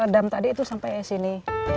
dam tadi itu sampai sini